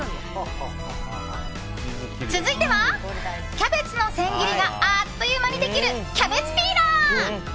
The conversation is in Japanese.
続いては、キャベツの千切りがあっという間にできるキャベツピーラー。